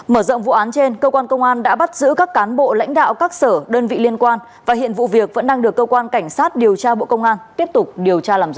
mở rộng vụ án trên cơ quan công an đã bắt giữ các cán bộ lãnh đạo các sở đơn vị liên quan và hiện vụ việc vẫn đang được cơ quan cảnh sát điều tra bộ công an tiếp tục điều tra làm rõ